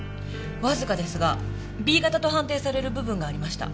わずかですがＢ型と判定される部分がありました。